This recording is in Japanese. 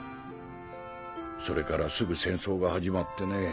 それからすぐ戦争が始まってね